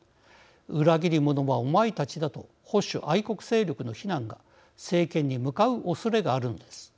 裏切り者はお前たちだと保守愛国勢力の非難が政権に向かうおそれがあるのです。